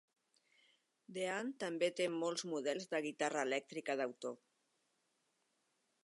Dean també té molts models de guitarra elèctrica d'autor.